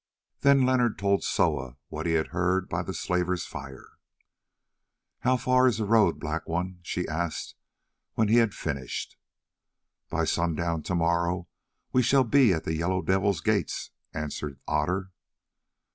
Then Leonard told Soa what he had heard by the slaver's fire. "How far is the road, Black One?" she asked when he had finished. "By sundown to morrow we shall be at the Yellow Devil's gates!" answered Otter.